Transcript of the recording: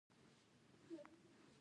رسول الله صلی الله عليه وسلم ويلي دي :